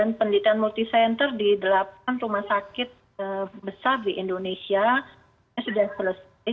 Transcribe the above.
dan pendidikan multi center di delapan rumah sakit besar di indonesia sudah selesai